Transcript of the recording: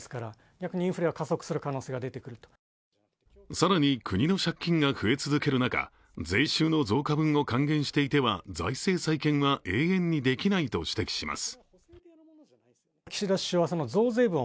更に、国の借金が増え続ける中税収の増加分を還元していては財政再建は永遠にできないと指摘します。